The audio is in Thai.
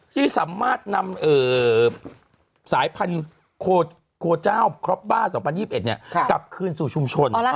ที่สามารถนำสายพันธุ์โคเจ้าครอบบ้า๒๐๒๑กลับคืนสู่ชุมชน